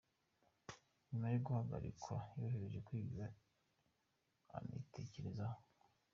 Nyuma yo guhagarikwa yoherejwe kwiga, anitekerezaho .